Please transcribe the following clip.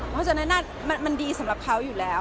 เขาจะแนะนัดมันดีสำหรับเขาอยู่แล้ว